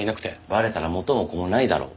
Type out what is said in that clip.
バレたら元も子もないだろ。